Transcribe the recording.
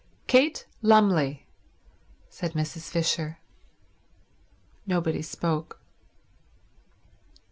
"Kate Lumley," said Mrs. Fisher. Nobody spoke.